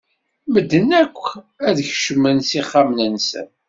Medden akk ad kecmen s ixxamen-nsen.